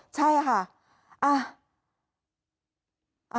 ใช่ค่ะ